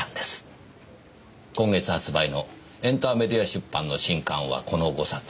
今月発売のエンターメディア出版の新刊はこの５冊。